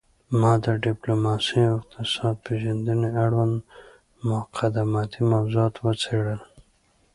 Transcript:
ما د ډیپلوماسي او اقتصاد پیژندنې اړوند مقدماتي موضوعات وڅیړل